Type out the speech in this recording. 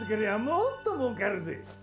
もっともうかるぜ！